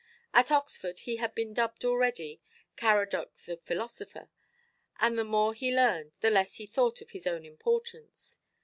At Oxford he had been dubbed already "Caradoc the Philosopher"; and the more he learned, the less he thought of his own importance.